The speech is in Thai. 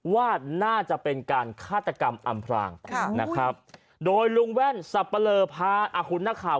ว่าน่าจะเป็นการฆาตกรรมอำพรางนะครับโดยลุงแว่นสับปะเลอพาคุณนักข่าว